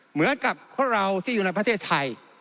เหมือนกับคนเราที่อยู่ในประเทศไทย